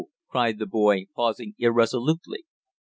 cried the boy, pausing irresolutely.